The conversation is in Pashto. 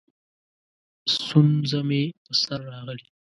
ستونزه مې په سر راغلې؛